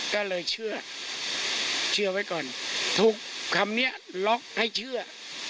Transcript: ก็เลยเชื่อเชื่อไว้ก่อนถูกคำนี้ล็อกให้เชื่อ